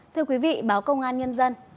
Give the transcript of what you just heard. thưa quý vị báo công an nhân dân